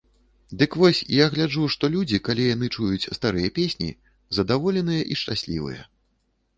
Дык вось, я гляджу, што людзі, калі яны чуюць старыя песні, задаволеныя і шчаслівыя.